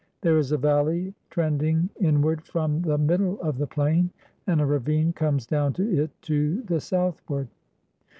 There is a valley trending inward from the middle of the plain, and a ravine comes down to it to the' southward.